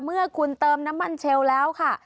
เมื่อคุณเติมน้ำมันเชลล์แล้วค่ะ